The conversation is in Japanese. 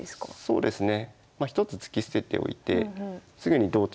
そうですね。